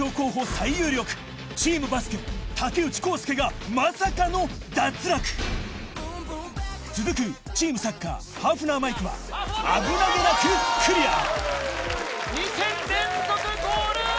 最有力チームバスケ竹内公輔がまさかの脱落続くチームサッカーハーフナー・マイクは危なげなく２戦連続ゴール！